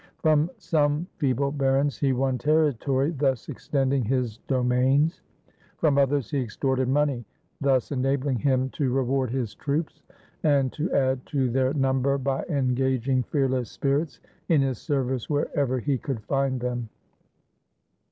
From some feeble barons he won territory, thus extend ing his domains; from others he extorted money, thus enabling him to reward his troops, and to add to their 259 AUSTRIA HUNGARY number by engaging fearless spirits in his service wher ever he could find them.